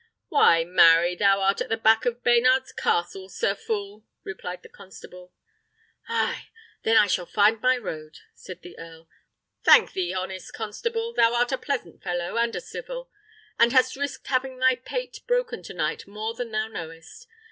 "Why, marry, thou art at the back of Baynard's Castle, sir fool," replied the constable. "Ay; then I shall find my road," said the earl. "Thank thee, honest constable; thou art a pleasant fellow, and a civil, and hast risked having thy pate broken to night more than thou knowest.